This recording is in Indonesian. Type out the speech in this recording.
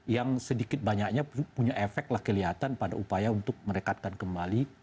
yang sedikit banyaknya punya efek lah kelihatan pada upaya untuk merekatkan kembali